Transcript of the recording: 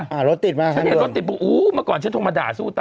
อ่ารถติดมาครับฉันเห็นรถติดอู้มาก่อนฉันถูกมาด่าสู้ตอนนั้น